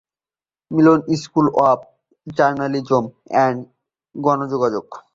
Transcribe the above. Miller school of journalism and গণযোগাযোগ.